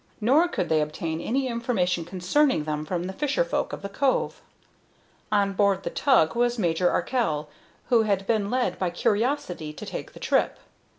Nor could they obtain any information concerning them from the fisher folk of the cove. On board the tug was Major Arkell, who had been led by curiosity to take the trip.